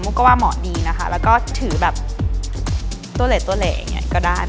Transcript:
ก็ว่าเหมาะดีนะคะแล้วก็ถือแบบตัวเหตัวอย่างนี้ก็ได้